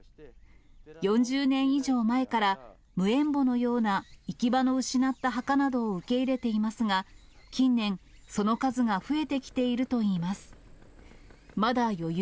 ４０年以上前から無縁墓のような行き場の失った墓などを受け入れていますが、近年、その数が増えてきているといいます。